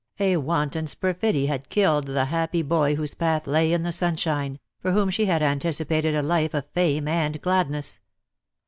A wanton's perfidy had killed the happy boy whose path lay in the sunshine, for whom she had anticipated a life of fame and gladness.